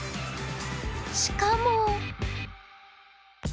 しかも。